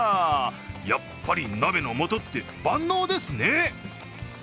やっぱり、鍋の素って万能ですね！